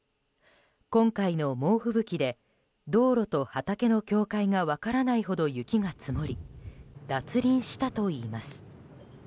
今回の猛吹雪で道路と畑の境界が分からないほど雪が積もり脱輪したといいます。